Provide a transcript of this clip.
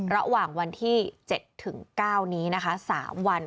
ระหว่างวันที่๗ถึง๙นี้นะคะ๓วัน